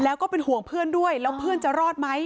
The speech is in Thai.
แล้วก็เป็นห่วงเพื่อนด้วยแล้วเพื่อนจะรอดไหม